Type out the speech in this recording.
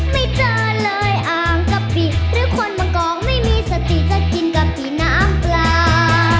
ไม่เจอเลยอ่างกะปิหรือคนมังกองไม่มีสติจะกินกะปิน้ำปลา